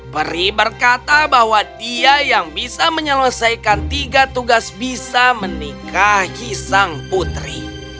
peri berkata bahwa dia yang bisa menyelesaikan tiga tugas bisa menikahi sang putri